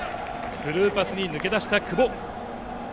スルーパスに抜け出した久保。